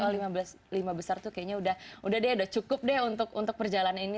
oh lima belas besar itu kayaknya sudah cukup deh untuk perjalanan ini